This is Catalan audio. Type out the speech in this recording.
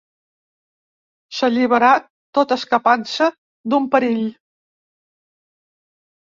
S'alliberà, tot escapant-se d'un perill.